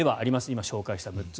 今、紹介した６つ。